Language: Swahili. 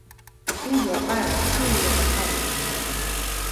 Msingi wa bara chini ya bahari ni mpana.